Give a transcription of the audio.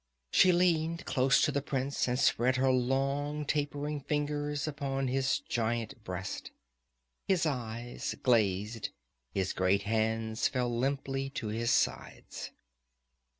She leaned close to the prince and spread her long tapering fingers upon his giant breast. His eyes glazed, his great hands fell limply to his sides.